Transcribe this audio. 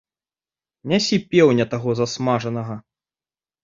Нясі пеўня таго засмажанага.